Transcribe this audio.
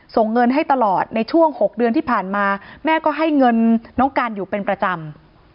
ส่งเงินให้ตลอดในช่วง๖เดือนที่ผ่านมาแม่ก็ให้เงินน้องการอยู่เป็นประจำ